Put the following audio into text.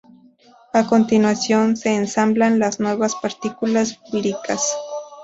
A continuación, se ensamblan las nuevas partículas víricas.